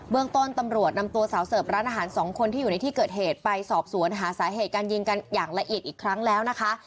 เมืองต้นตำรวจนำตัวสาวเสิร์ฟร้านอาหารสองคนที่อยู่ในที่เกิดเหตุไปสอบสวนหาสาเหตุการยิงกันอย่างละเอียดอีกครั้งแล้วนะคะ